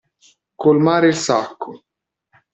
Colmare il sacco.